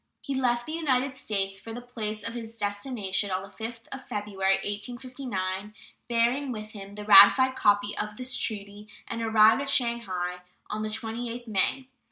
He left the United States for the place of his destination on the 5th of February, 1859, bearing with him the ratified copy of this treaty, and arrived at Shanghai on the 28th May.